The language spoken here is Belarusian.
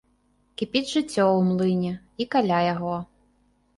Кіпіць жыццё ў млыне і каля яго.